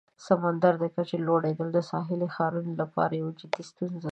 د سمندر د کچې لوړیدل د ساحلي ښارونو لپاره یوه جدي ستونزه ده.